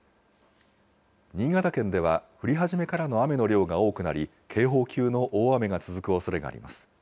新潟県では降り始めからの雨の量が多くなり、警報級の大雨が続くおそれがあります。